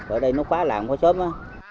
ở đây nó khóa làng quá sớm á